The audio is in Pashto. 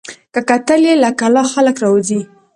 که کتل یې له کلا خلک راوزي